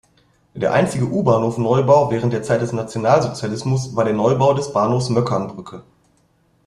Der einzige U-Bahnhof-Neubau während der Zeit des Nationalsozialismus war der Neubau des Bahnhofs Möckernbrücke.